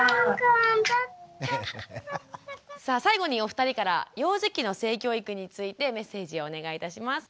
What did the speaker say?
さあ最後にお二人から幼児期の性教育についてメッセージをお願いいたします。